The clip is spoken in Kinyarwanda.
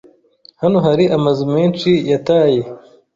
Hano hari amazu menshi yataye.